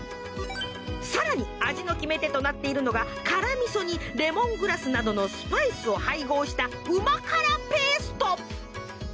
更に味の決め手となっているのが辛味噌にレモングラスなどのスパイスを配合したウマ辛ペースト。